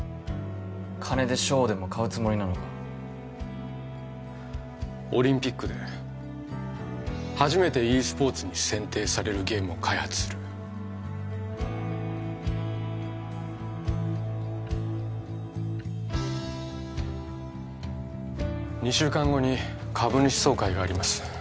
金で賞でも買うつもりなのかオリンピックで初めてｅスポーツに選定されるゲームを開発する２週間後に株主総会があります